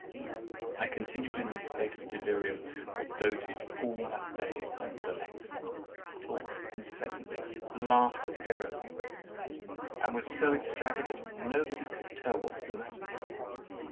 I continued in this state of delirium or dotage all that day and the next, talked incessantly, laughed at every thing, and was so extravagant, nobody could tell what was the matter with me.